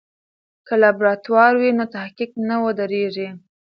که لابراتوار وي نو تحقیق نه ودریږي.